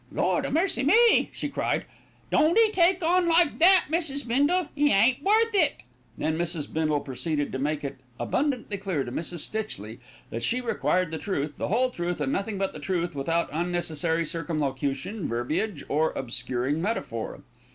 "Lord a mercy me!" she cried. "Don't ee take on like that, Mrs. Bindle. 'E ain't worth it." Then Mrs. Bindle proceeded to make it abundantly clear to Mrs. Stitchley that she required the truth, the whole truth, and nothing but the truth, without unnecessary circumlocution, verbiage, or obscuring metaphor.